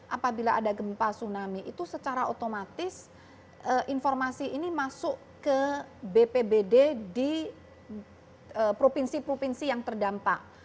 apabila ada gempa tsunami itu secara otomatis informasi ini masuk ke bpbd di provinsi provinsi yang terdampak